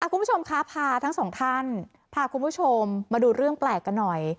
คุณผู้ชมคะพาทั้งสองท่านพาคุณผู้ชมมาดูเรื่องแปลกกันหน่อย